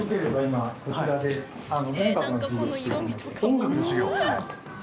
音楽の授業？